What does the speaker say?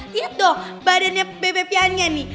lihat dong badannya bebe pianya nih